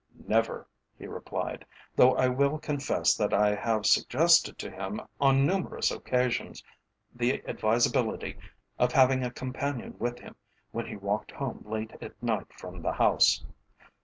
"Never," he replied; "though I will confess that I have suggested to him on numerous occasions the advisability of having a companion with him when he walked home late at night from the House.